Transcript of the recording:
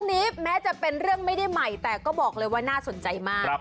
นี้แม้จะเป็นเรื่องไม่ได้ใหม่แต่ก็บอกเลยว่าน่าสนใจมาก